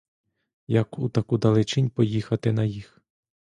Як у таку далечінь поїхати на їх?